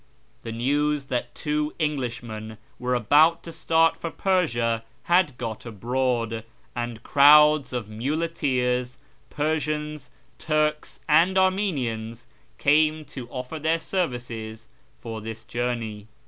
The news that two English men were about to start for Persia had got abroad, and crowds of muleteers — Persians, Turks, and Armenians — came to offer their services for the journey.